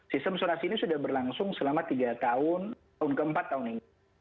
sistem sonasi ini sudah berlangsung selama tiga tahun tahun ke empat tahun ini